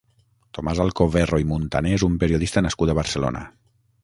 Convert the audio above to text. Tomàs Alcoverro i Muntané és un periodista nascut a Barcelona.